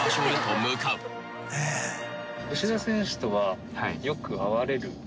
吉田選手とはよく会われるんですか？